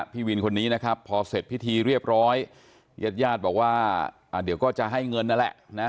พี่วินคนนี้พอเสร็จพิธีเรียบร้อยยัดยาดบอกว่าเดี๋ยวก็จะให้เงินนั่นแหละ